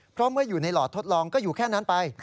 เพราะเมื่ออยู่ในหลอดทดลองก็อยู่แค่นั้นไป